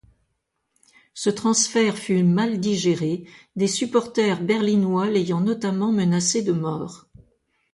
Ce transfert fut mal digéré, des supporters berlinois l'ayant notamment menacé de mort.